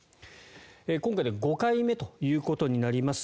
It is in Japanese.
今回で５回目ということになります